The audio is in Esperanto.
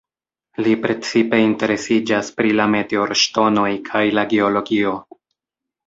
Li precipe interesiĝas pri la meteorŝtonoj kaj la geologio.